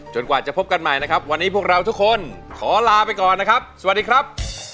กว่าจะพบกันใหม่นะครับวันนี้พวกเราทุกคนขอลาไปก่อนนะครับสวัสดีครับ